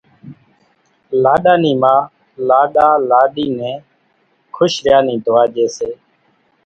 لاڏا نِي ما لاڏا لاڏِي نين خوش ريا نِي دعا ڄي سي